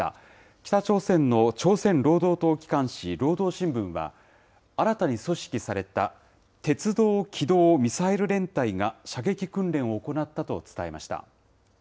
北朝鮮の朝鮮労働党機関紙、労働新聞は、新たに組織された鉄道軌道ミサイル連隊が射撃訓練を行ったと伝えました。